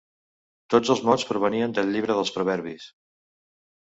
Tots els mots provenien del Llibre dels proverbis.